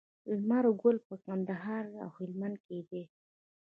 لمر ګل په کندهار او هلمند کې دی.